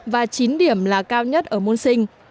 và chín điểm là cao nhất ở môn sinh